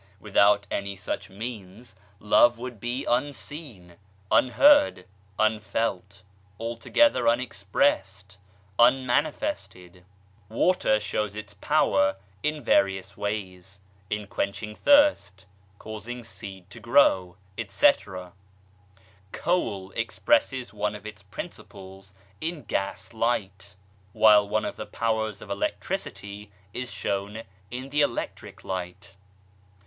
With out any such means, Love would be unseen, unheard, unfelt altogether unexpressed, unmanifested 1 Water shows its power in various ways, in quenching thirst, causing seed to grow, etc. Coal expresses one of its principles in gas light, while one of the powers of elec tricity is shown in the electric light.